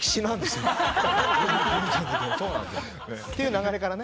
っていう流れからね。